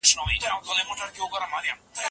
ایا افغان سوداګر ممیز ساتي؟